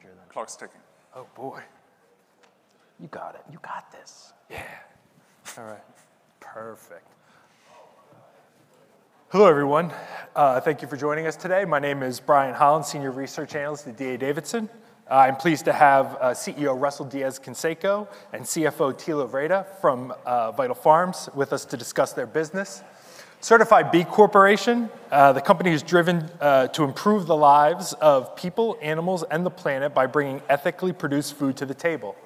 No? Probably. Probably more danger than Clock's ticking. Oh, boy. You got it. You got this. Yeah. All right. Perfect. Hello, everyone. Thank you for joining us today. My name is Brian Holland, Senior Research Analyst at D.A. Davidson. I'm pleased to have CEO Russell Diez-Canseco and CFO Thilo Wrede from Vital Farms with us to discuss their business. Certified B Corporation, the company has driven to improve the lives of people, animals, and the planet by bringing ethically produced food to the table.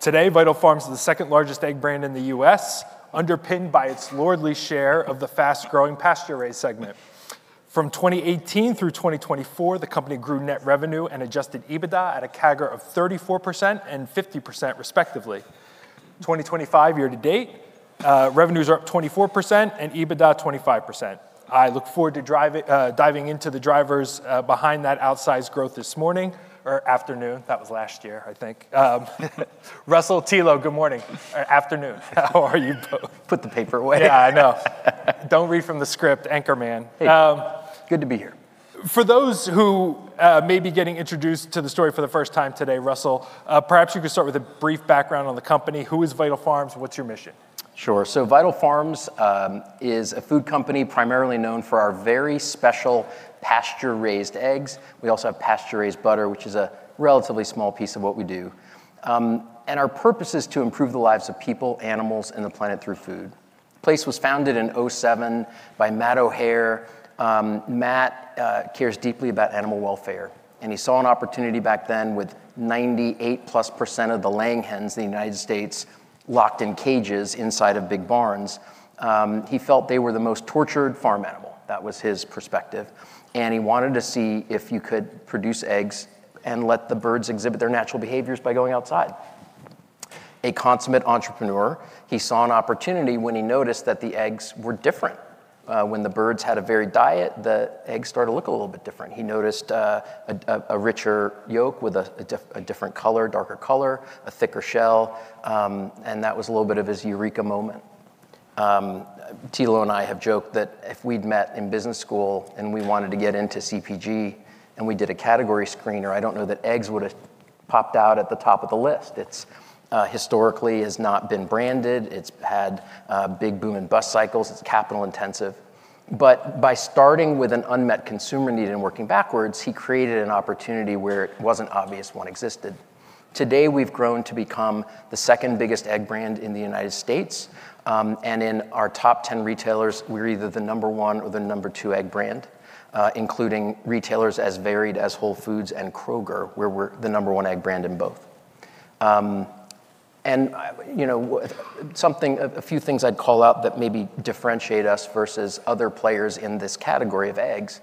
Today, Vital Farms is the second largest egg brand in the U.S., underpinned by its leading share of the fast-growing pasture-raised segment. From 2018 through 2024, the company grew net revenue and Adjusted EBITDA at a CAGR of 34% and 50%, respectively. 2025, year to date, revenues are up 24% and EBITDA 25%. I look forward to diving into the drivers behind that outsized growth this morning or afternoon. That was last year, I think. Russell, Thilo, good morning. Or afternoon. How are you both? Put the paper away. Yeah, I know. Don't read from the script, anchorman. Hey. Good to be here. For those who may be getting introduced to the story for the first time today, Russell, perhaps you could start with a brief background on the company. Who is Vital Farms? What's your mission? Sure. So Vital Farms is a food company primarily known for our very special pasture-raised eggs. We also have pasture-raised butter, which is a relatively small piece of what we do. And our purpose is to improve the lives of people, animals, and the planet through food. The place was founded in 2007 by Matt O'Hayer. Matt cares deeply about animal welfare. And he saw an opportunity back then with 98%+ of the laying hens in the United States locked in cages inside of big barns. He felt they were the most tortured farm animal. That was his perspective. And he wanted to see if you could produce eggs and let the birds exhibit their natural behaviors by going outside. A consummate entrepreneur, he saw an opportunity when he noticed that the eggs were different. When the birds had a varied diet, the eggs started to look a little bit different. He noticed a richer yolk with a different color, darker color, a thicker shell. That was a little bit of his eureka moment. Thilo and I have joked that if we'd met in business school and we wanted to get into CPG and we did a category screener, I don't know that eggs would have popped out at the top of the list. It's historically not been branded. It's had big boom and bust cycles. It's capital-intensive. By starting with an unmet consumer need and working backwards, he created an opportunity where it wasn't obvious one existed. Today, we've grown to become the second biggest egg brand in the United States. In our top 10 retailers, we're either the number one or the number two egg brand, including retailers as varied as Whole Foods and Kroger, where we're the number one egg brand in both. A few things I'd call out that maybe differentiate us versus other players in this category of eggs.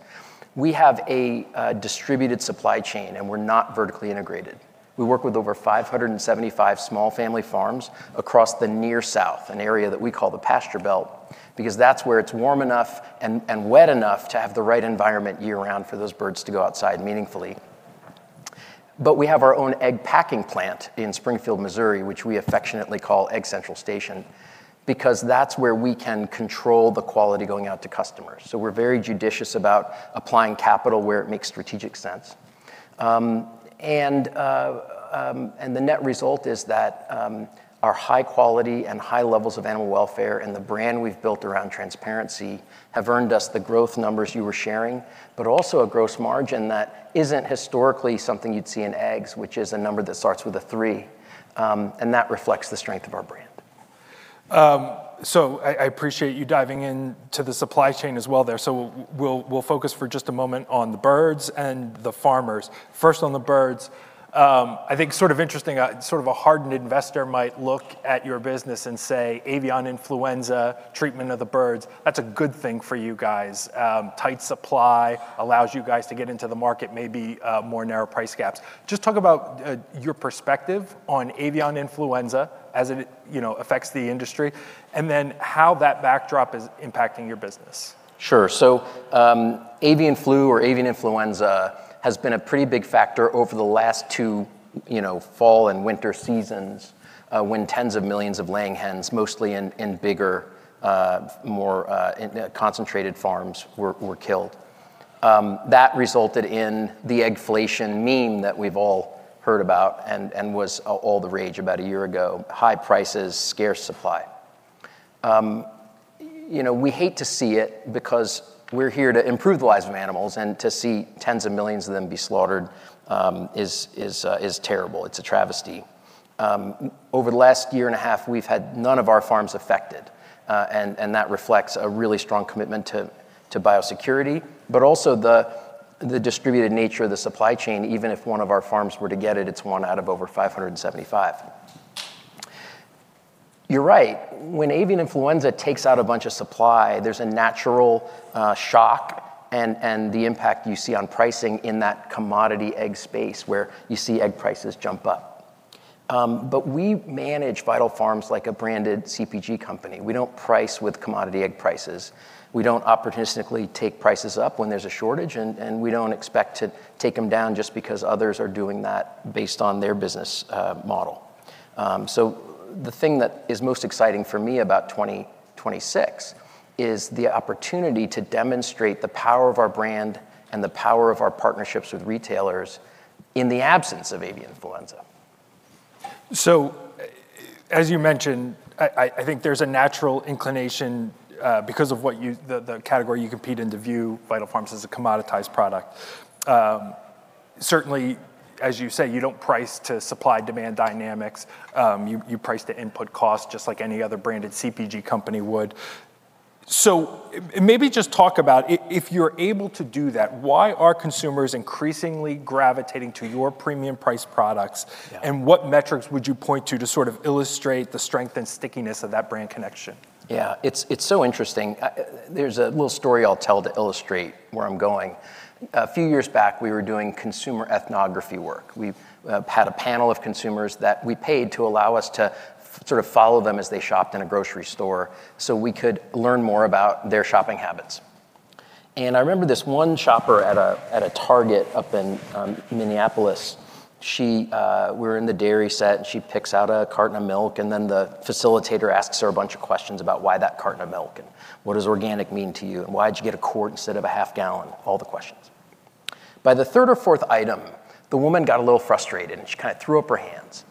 We have a distributed supply chain, and we're not vertically integrated. We work with over 575 small family farms across the Near South, an area that we call the Pasture Belt, because that's where it's warm enough and wet enough to have the right environment year-round for those birds to go outside meaningfully. We have our own egg packing plant in Springfield, Missouri, which we affectionately call Egg Central Station, because that's where we can control the quality going out to customers. We're very judicious about applying capital where it makes strategic sense. The net result is that our high quality and high levels of animal welfare and the brand we've built around transparency have earned us the growth numbers you were sharing, but also a gross margin that isn't historically something you'd see in eggs, which is a number that starts with a three. That reflects the strength of our brand. So I appreciate you diving into the supply chain as well there. So we'll focus for just a moment on the birds and the farmers. First, on the birds, I think sort of interesting, sort of a hardened investor might look at your business and say, "Avian influenza, treatment of the birds." That's a good thing for you guys. Tight supply allows you guys to get into the market, maybe more narrow price gaps. Just talk about your perspective on avian influenza as it affects the industry, and then how that backdrop is impacting your business. Sure. So avian flu or avian influenza has been a pretty big factor over the last two fall and winter seasons when tens of millions of laying hens, mostly in bigger, more concentrated farms, were killed. That resulted in the eggflation meme that we've all heard about and was all the rage about a year ago: high prices, scarce supply. We hate to see it because we're here to improve the lives of animals, and to see tens of millions of them be slaughtered is terrible. It's a travesty. Over the last year and a half, we've had none of our farms affected. And that reflects a really strong commitment to biosecurity, but also the distributed nature of the supply chain. Even if one of our farms were to get it, it's one out of over 575. You're right. When avian influenza takes out a bunch of supply, there's a natural shock and the impact you see on pricing in that commodity egg space where you see egg prices jump up. But we manage Vital Farms like a branded CPG company. We don't price with commodity egg prices. We don't opportunistically take prices up when there's a shortage, and we don't expect to take them down just because others are doing that based on their business model. So the thing that is most exciting for me about 2026 is the opportunity to demonstrate the power of our brand and the power of our partnerships with retailers in the absence of avian influenza. So as you mentioned, I think there's a natural inclination because of the category you compete in to view Vital Farms as a commoditized product. Certainly, as you say, you don't price to supply-demand dynamics. You price to input cost, just like any other branded CPG company would. So maybe just talk about, if you're able to do that, why are consumers increasingly gravitating to your premium-priced products? And what metrics would you point to to sort of illustrate the strength and stickiness of that brand connection? Yeah, it's so interesting. There's a little story I'll tell to illustrate where I'm going. A few years back, we were doing consumer ethnography work. We had a panel of consumers that we paid to allow us to sort of follow them as they shopped in a grocery store so we could learn more about their shopping habits, and I remember this one shopper at a Target up in Minneapolis. We were in the dairy set, and she picks out a carton of milk, and then the facilitator asks her a bunch of questions about why that carton of milk and what does organic mean to you and why did you get a quart instead of a half gallon, all the questions. By the third or fourth item, the woman got a little frustrated, and she kind of threw up her hands.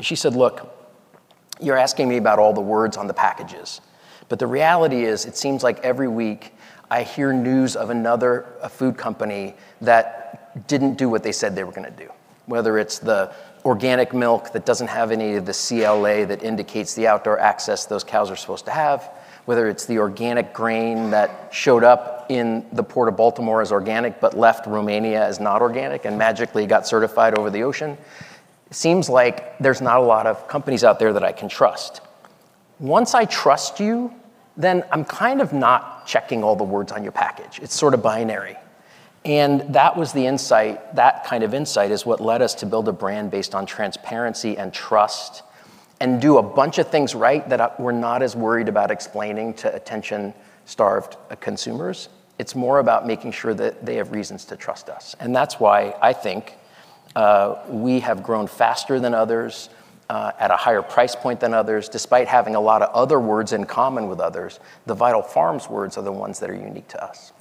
She said, "Look, you're asking me about all the words on the packages. But the reality is, it seems like every week I hear news of another food company that didn't do what they said they were going to do, whether it's the organic milk that doesn't have any of the CLA that indicates the outdoor access those cows are supposed to have, whether it's the organic grain that showed up in the Port of Baltimore as organic but left Romania as not organic and magically got certified over the ocean. It seems like there's not a lot of companies out there that I can trust. Once I trust you, then I'm kind of not checking all the words on your package. It's sort of binary." And that was the insight. That kind of insight is what led us to build a brand based on transparency and trust and do a bunch of things right that we're not as worried about explaining to attention-starved consumers. It's more about making sure that they have reasons to trust us, and that's why I think we have grown faster than others at a higher price point than others. Despite having a lot of other words in common with others, the Vital Farms words are the ones that are unique to us.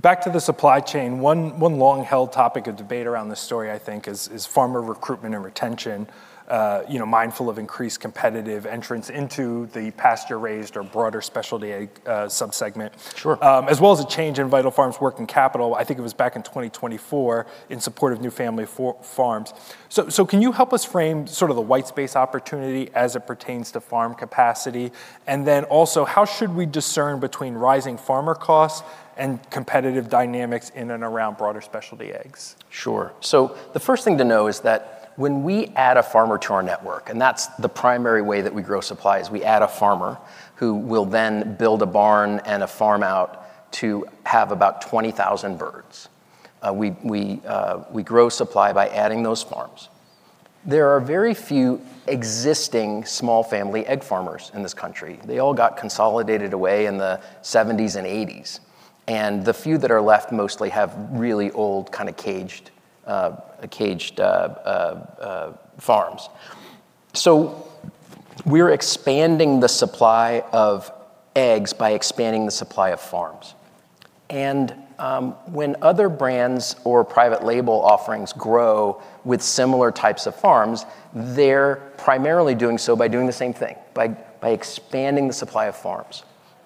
Back to the supply chain, one long-held topic of debate around this story, I think, is farmer recruitment and retention, mindful of increased competitive entrance into the pasture-raised or broader specialty egg subsegment, as well as a change in Vital Farms' working capital. I think it was back in 2024 in support of new family farms. So can you help us frame sort of the white space opportunity as it pertains to farm capacity? And then also, how should we discern between rising farmer costs and competitive dynamics in and around broader specialty eggs? Sure. So the first thing to know is that when we add a farmer to our network, and that's the primary way that we grow supply, is we add a farmer who will then build a barn and a farm out to have about 20,000 birds. We grow supply by adding those farms. There are very few existing small family egg farmers in this country. They all got consolidated away in the 1970s and 1980s. And the few that are left mostly have really old kind of caged farms. So we're expanding the supply of eggs by expanding the supply of farms. And when other brands or private label offerings grow with similar types of farms, they're primarily doing so by doing the same thing, by expanding the supply of farms.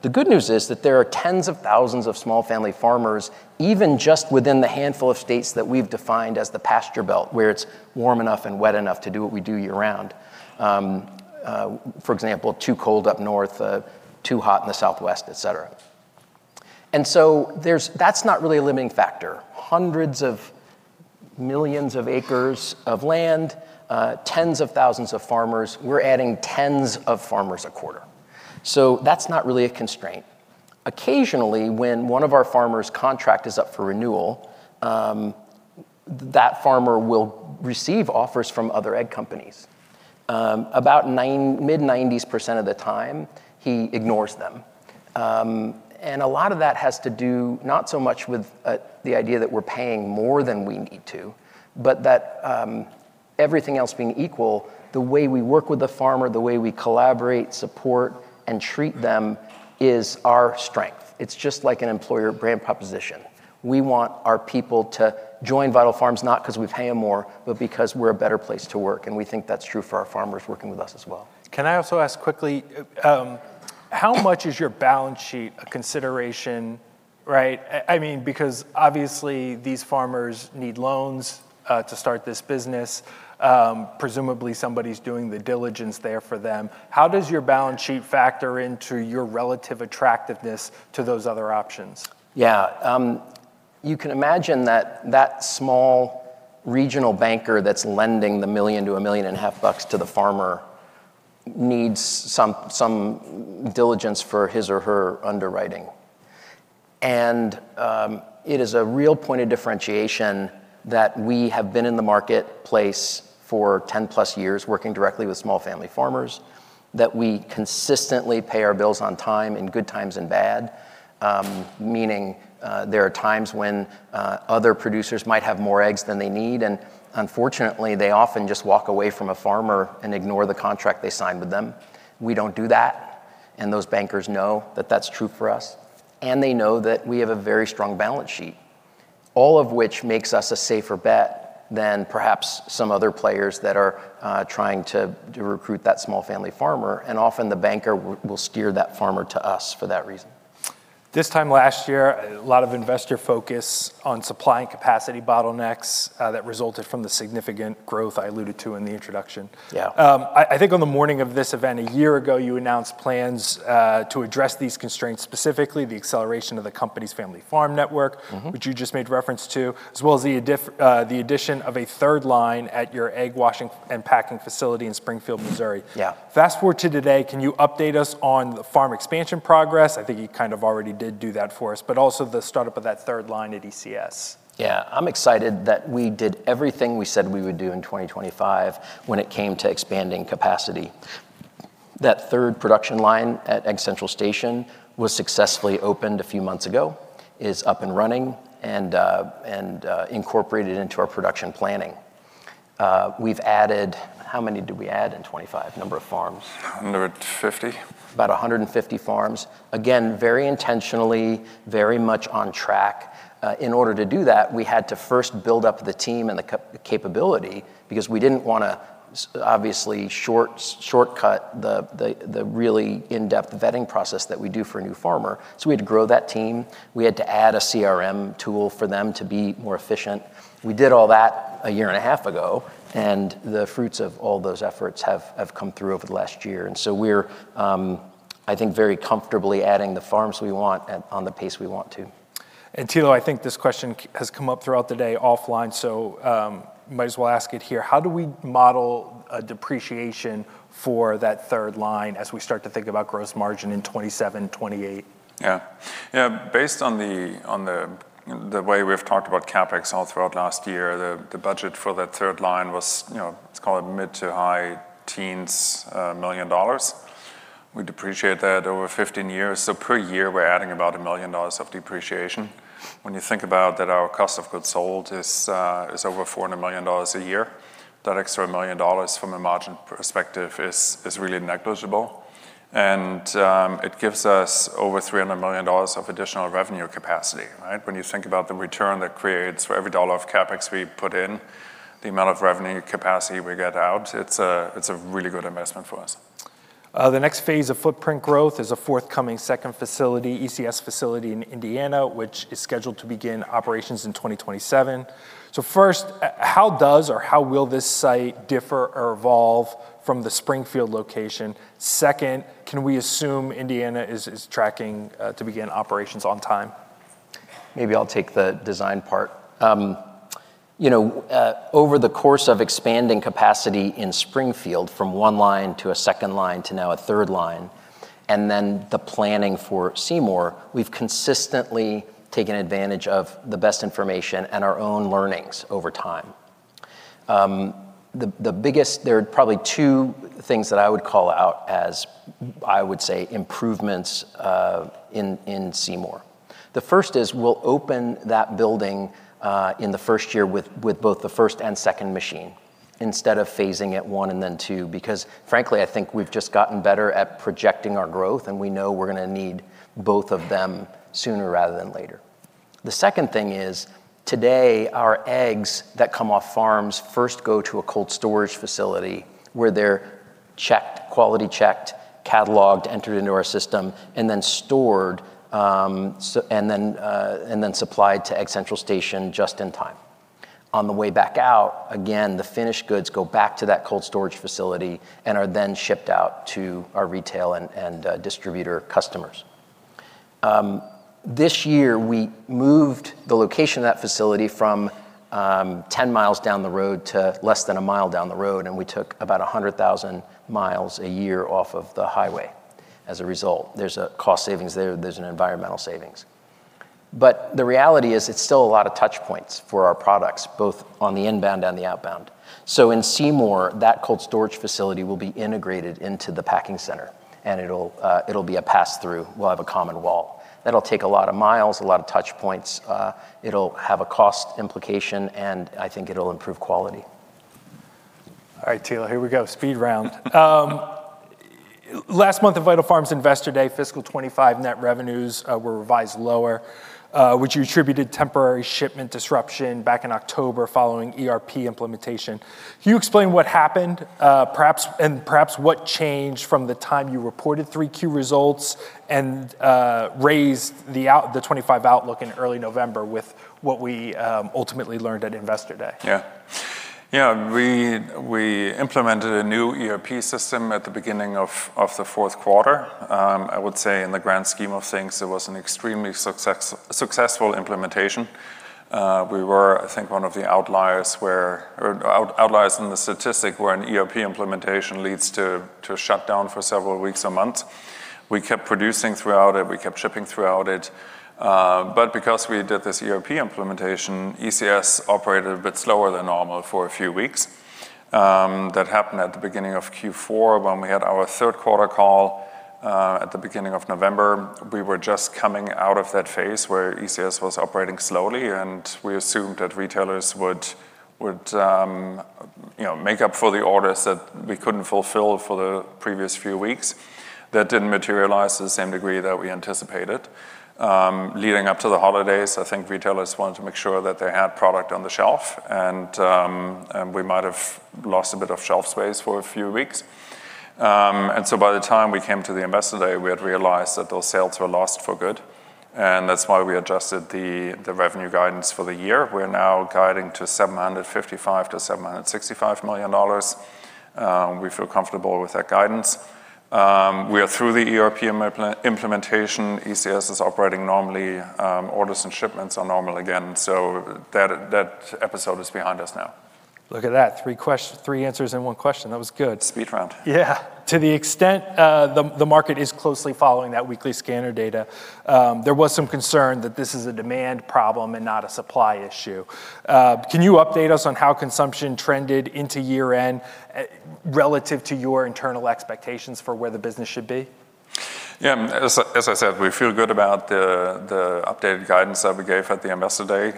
The good news is that there are tens of thousands of small family farmers, even just within the handful of states that we've defined as the Pasture Belt, where it's warm enough and wet enough to do what we do year-round. For example, too cold up north, too hot in the southwest, et cetera. And so that's not really a limiting factor. Hundreds of millions of acres of land, tens of thousands of farmers. We're adding tens of farmers a quarter. So that's not really a constraint. Occasionally, when one of our farmers' contract is up for renewal, that farmer will receive offers from other egg companies. About mid-90s% of the time, he ignores them. A lot of that has to do not so much with the idea that we're paying more than we need to, but that everything else being equal, the way we work with the farmer, the way we collaborate, support, and treat them is our strength. It's just like an employer brand proposition. We want our people to join Vital Farms, not because we pay them more, but because we're a better place to work. We think that's true for our farmers working with us as well. Can I also ask quickly, how much is your balance sheet a consideration? I mean, because obviously these farmers need loans to start this business. Presumably, somebody's doing the diligence there for them. How does your balance sheet factor into your relative attractiveness to those other options? Yeah. You can imagine that that small regional banker that's lending $1 million-$1.5 million to the farmer needs some diligence for his or her underwriting. And it is a real point of differentiation that we have been in the marketplace for 10+ years working directly with small family farmers, that we consistently pay our bills on time in good times and bad, meaning there are times when other producers might have more eggs than they need. And unfortunately, they often just walk away from a farmer and ignore the contract they signed with them. We don't do that. And those bankers know that that's true for us. And they know that we have a very strong balance sheet, all of which makes us a safer bet than perhaps some other players that are trying to recruit that small family farmer. Often, the banker will steer that farmer to us for that reason. This time last year, a lot of investor focus on supply and capacity bottlenecks that resulted from the significant growth I alluded to in the introduction. Yeah. I think on the morning of this event a year ago, you announced plans to address these constraints, specifically the acceleration of the company's family farm network, which you just made reference to, as well as the addition of a third line at your egg washing and packing facility in Springfield, Missouri. Yeah. Fast forward to today, can you update us on the farm expansion progress? I think you kind of already did do that for us, but also the startup of that third line at ECS. Yeah. I'm excited that we did everything we said we would do in 2025 when it came to expanding capacity. That third production line at Egg Central Station was successfully opened a few months ago, is up and running, and incorporated into our production planning. We've added how many did we add in 2025? Number of farms? 150. About 150 farms. Again, very intentionally, very much on track. In order to do that, we had to first build up the team and the capability because we didn't want to obviously shortcut the really in-depth vetting process that we do for a new farmer. So we had to grow that team. We had to add a CRM tool for them to be more efficient. We did all that a year and a half ago, and the fruits of all those efforts have come through over the last year. We're, I think, very comfortably adding the farms we want on the pace we want to. Thilo, I think this question has come up throughout the day offline, so might as well ask it here. How do we model a depreciation for that third line as we start to think about gross margin in 2027, 2028? Yeah. Yeah. Based on the way we've talked about CapEx all throughout last year, the budget for that third line was, it's called a mid- to high-teens million dollars. We depreciate that over 15 years. So per year, we're adding about $1 million of depreciation. When you think about that, our cost of goods sold is over $400 million a year. That extra million dollars from a margin perspective is really negligible. And it gives us over $300 million of additional revenue capacity. When you think about the return that creates for every dollar of CapEx we put in, the amount of revenue capacity we get out, it's a really good investment for us. The next phase of footprint growth is a forthcoming second facility, ECS facility in Indiana, which is scheduled to begin operations in 2027. First, how does or how will this site differ or evolve from the Springfield location? Second, can we assume Indiana is tracking to begin operations on time? Maybe I'll take the design part. Over the course of expanding capacity in Springfield from one line to a second line to now a third line, and then the planning for Seymour, we've consistently taken advantage of the best information and our own learnings over time. There are probably two things that I would call out as, I would say, improvements in Seymour. The first is we'll open that building in the first year with both the first and second machine instead of phasing it one and then two, because frankly, I think we've just gotten better at projecting our growth, and we know we're going to need both of them sooner rather than later. The second thing is today, our eggs that come off farms first go to a cold storage facility where they're checked, quality checked, cataloged, entered into our system, and then stored and then supplied to Egg Central Station just in time. On the way back out, again, the finished goods go back to that cold storage facility and are then shipped out to our retail and distributor customers. This year, we moved the location of that facility from 10 miles down the road to less than a mile down the road, and we took about 100,000 miles a year off of the highway as a result. There's a cost savings there. There's an environmental savings. But the reality is it's still a lot of touch points for our products, both on the inbound and the outbound. So in Seymour, that cold storage facility will be integrated into the packing center, and it'll be a pass-through. We'll have a common wall. That'll take a lot of miles, a lot of touch points. It'll have a cost implication, and I think it'll improve quality. All right, Thilo, here we go. Speed round. Last month of Vital Farms Investor Day, fiscal 2025 net revenues were revised lower, which you attributed temporary shipment disruption back in October following ERP implementation. Can you explain what happened and perhaps what changed from the time you reported 3Q results and raised the 2025 outlook in early November with what we ultimately learned at Investor Day? Yeah. Yeah. We implemented a new ERP system at the beginning of the fourth quarter. I would say in the grand scheme of things, it was an extremely successful implementation. We were, I think, one of the outliers in the statistic where an ERP implementation leads to shutdown for several weeks or months. We kept producing throughout it. We kept shipping throughout it. But because we did this ERP implementation, ECS operated a bit slower than normal for a few weeks. That happened at the beginning of Q4 when we had our third quarter call at the beginning of November. We were just coming out of that phase where ECS was operating slowly, and we assumed that retailers would make up for the orders that we couldn't fulfill for the previous few weeks. That didn't materialize to the same degree that we anticipated. Leading up to the holidays, I think retailers wanted to make sure that they had product on the shelf, and we might have lost a bit of shelf space for a few weeks. And so by the time we came to the Investor Day, we had realized that those sales were lost for good. And that's why we adjusted the revenue guidance for the year. We're now guiding to $755-$765 million. We feel comfortable with that guidance. We are through the ERP implementation. ECS is operating normally. Orders and shipments are normal again. So that episode is behind us now. Look at that. Three answers in one question. That was good. Speed round. Yeah. To the extent the market is closely following that weekly scanner data, there was some concern that this is a demand problem and not a supply issue. Can you update us on how consumption trended into year-end relative to your internal expectations for where the business should be? Yeah. As I said, we feel good about the updated guidance that we gave at the Investor Day.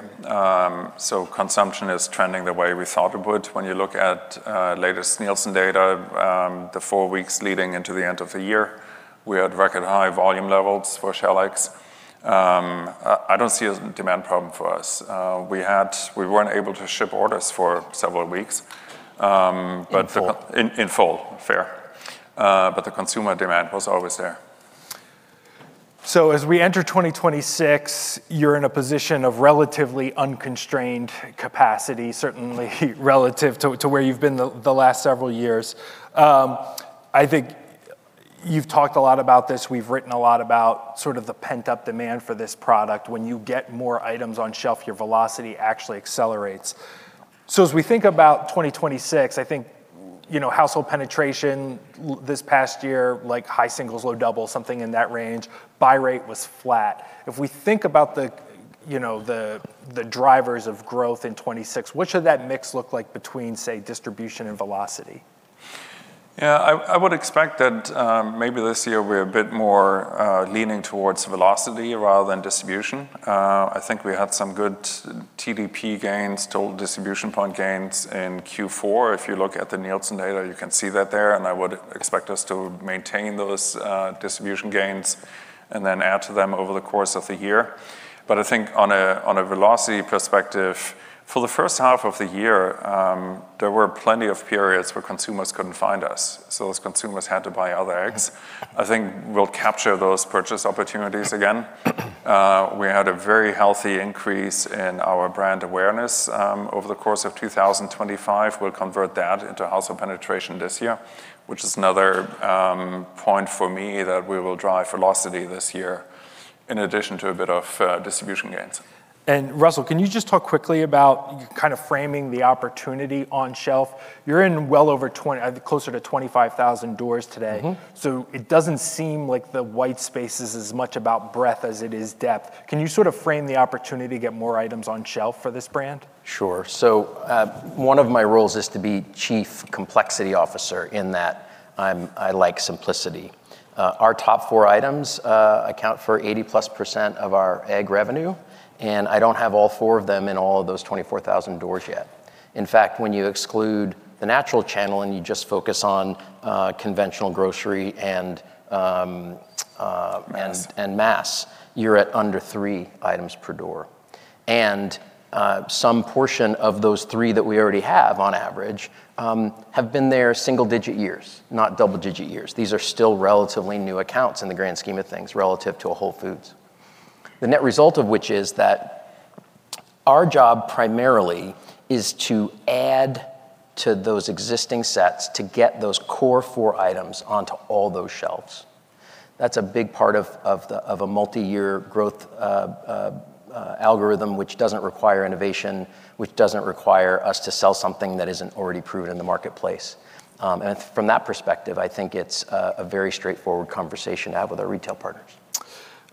So consumption is trending the way we thought it would. When you look at latest Nielsen data, the four weeks leading into the end of the year, we had record high volume levels for shell eggs. I don't see a demand problem for us. We weren't able to ship orders for several weeks. In full and fair. But the consumer demand was always there. So as we enter 2026, you're in a position of relatively unconstrained capacity, certainly relative to where you've been the last several years. I think you've talked a lot about this. We've written a lot about sort of the pent-up demand for this product. When you get more items on shelf, your velocity actually accelerates. So as we think about 2026, I think household penetration this past year, like high singles, low doubles, something in that range. Buy rate was flat. If we think about the drivers of growth in 2026, what should that mix look like between, say, distribution and velocity? Yeah. I would expect that maybe this year we're a bit more leaning towards velocity rather than distribution. I think we had some good TDP gains, total distribution point gains in Q4. If you look at the Nielsen data, you can see that there. And I would expect us to maintain those distribution gains and then add to them over the course of the year. But I think on a velocity perspective, for the first half of the year, there were plenty of periods where consumers couldn't find us. So those consumers had to buy other eggs. I think we'll capture those purchase opportunities again. We had a very healthy increase in our brand awareness over the course of 2025. We'll convert that into household penetration this year, which is another point for me that we will drive velocity this year in addition to a bit of distribution gains. Russell, can you just talk quickly about kind of framing the opportunity on shelf? You're in well over closer to 25,000 doors today. So it doesn't seem like the white space is as much about breadth as it is depth. Can you sort of frame the opportunity to get more items on shelf for this brand? Sure. So one of my roles is to be Chief Complexity Officer in that I like simplicity. Our top four items account for 80%+ of our egg revenue, and I don't have all four of them in all of those 24,000 doors yet. In fact, when you exclude the natural channel and you just focus on conventional grocery and mass, you're at under three items per door. And some portion of those three that we already have on average have been there single-digit years, not double-digit years. These are still relatively new accounts in the grand scheme of things relative to a Whole Foods. The net result of which is that our job primarily is to add to those existing sets to get those core four items onto all those shelves. That's a big part of a multi-year growth algorithm, which doesn't require innovation, which doesn't require us to sell something that isn't already proven in the marketplace. And from that perspective, I think it's a very straightforward conversation to have with our retail partners.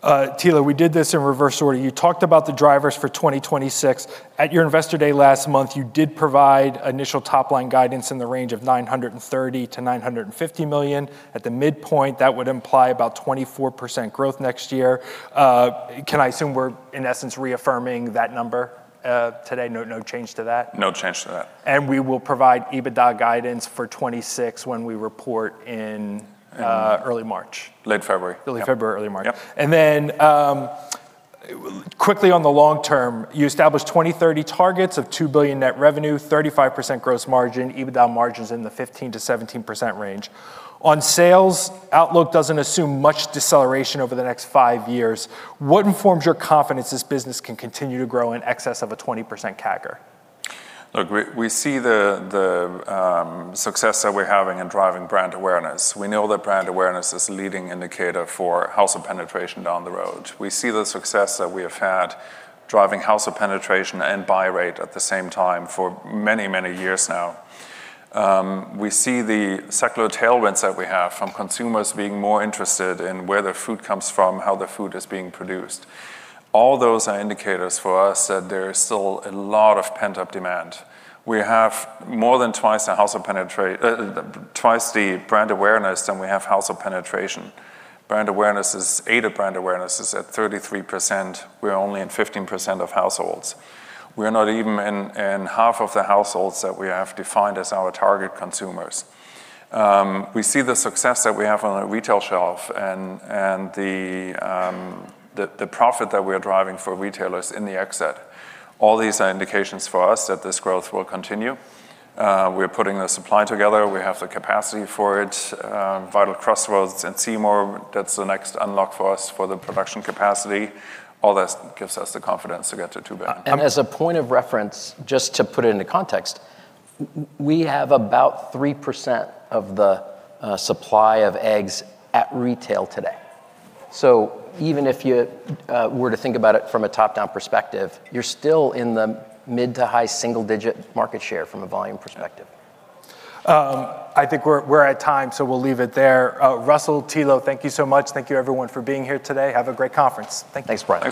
Thilo, we did this in reverse order. You talked about the drivers for 2026. At your Investor Day last month, you did provide initial top-line guidance in the range of $930 million-$950 million. At the midpoint, that would imply about 24% growth next year. Can I assume we're, in essence, reaffirming that number today? No change to that? No change to that. We will provide EBITDA guidance for 2026 when we report in early March. Late February. Early February, early March. And then quickly on the long term, you established 2030 targets of $2 billion net revenue, 35% gross margin, EBITDA margins in the 15%-17% range. The sales outlook doesn't assume much deceleration over the next five years. What informs your confidence this business can continue to grow in excess of a 20% CAGR? Look, we see the success that we're having in driving brand awareness. We know that brand awareness is a leading indicator for household penetration down the road. We see the success that we have had driving household penetration and buy rate at the same time for many, many years now. We see the secular tailwinds that we have from consumers being more interested in where their food comes from, how their food is being produced. All those are indicators for us that there is still a lot of pent-up demand. We have more than twice the brand awareness than we have household penetration. Brand awareness is at 33%. We're only in 15% of households. We're not even in half of the households that we have defined as our target consumers. We see the success that we have on a retail shelf and the profit that we are driving for retailers in the exit. All these are indications for us that this growth will continue. We're putting the supply together. We have the capacity for it. Vital Crossroads and Seymour, that's the next unlock for us for the production capacity. All that gives us the confidence to get to $2 billion. And as a point of reference, just to put it into context, we have about 3% of the supply of eggs at retail today. So even if you were to think about it from a top-down perspective, you're still in the mid to high single-digit market share from a volume perspective. I think we're at time, so we'll leave it there. Russell, Thilo, thank you so much. Thank you, everyone, for being here today. Have a great conference. Thanks, Brian.